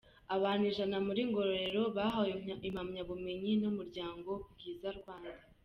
Abanu Ijana Muri Ngororero bahawe impamyabumenyi n’umuryango Bwiza Rwanda